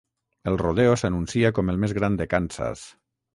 El rodeo s'anuncia com el més gran de Kansas.